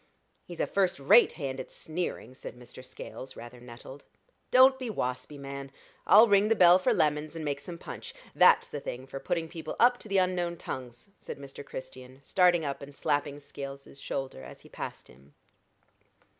"He's a first rate hand at sneering," said Mr. Scales, rather nettled. "Don't be waspie, man. I'll ring the bell for lemons, and make some punch. That's the thing for putting people up to the unknown tongues," said Mr. Christian, starting up and slapping Scales's shoulder as he passed him.